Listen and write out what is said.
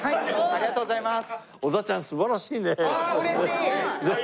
ありがとうございます。